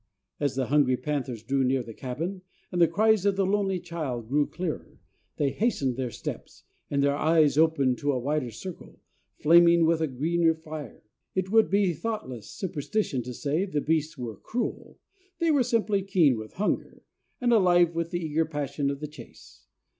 As the hungry panthers drew near the cabin, and the cries of the lonely child grew clearer, they hastened their steps, and their eyes opened to a wider circle, flaming with a greener fire. It would be thoughtless superstition to say the beasts were cruel. They were simply keen with hunger, and alive with the eager passion of the chase.